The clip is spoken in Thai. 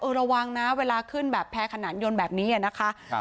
ระวังนะเวลาขึ้นแบบแพร่ขนานยนต์แบบนี้นะคะ